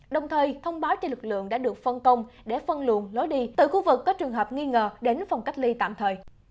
đồng thời thông báo cho lực lượng đã được phân công để phân luồn lối đi từ khu vực có trường hợp nghi ngờ đến phòng cách ly tạm thời